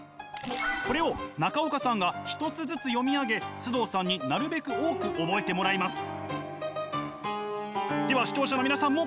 これを中岡さんが一つずつ読みあげ須藤さんになるべく多く覚えてもらいます。